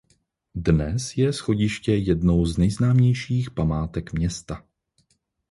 Dnes je schodiště jednou z nejznámějších památek města.